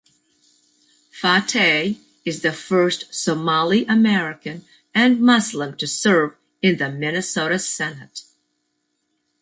Fateh is the first Somali American and Muslim to serve in the Minnesota Senate.